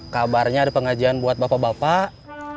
kabarnya ada pengajian buat bapak bapak